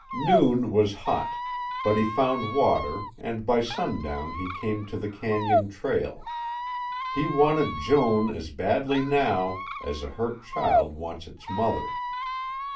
Noon was hot, but he found water and by sundown he came to the cañon trail. He wanted Joan as badly now as a hurt child wants its mother.